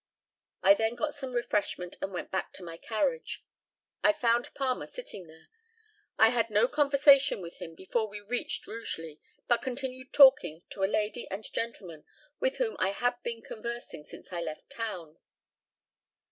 I then got some refreshment, and went back to my carriage; I found Palmer sitting there. I had no conversation with him before we reached Rugeley, but continued talking to a lady and gentleman with whom I had been conversing since I left town.